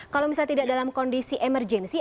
kalau misalnya tidak dalam kondisi emergensi